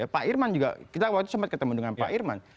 pak irman juga kita waktu itu sempat ketemu dengan pak irman